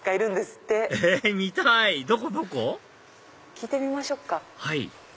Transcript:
聞いてみましょうか。